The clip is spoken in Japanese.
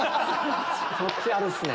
そっちあるんすね。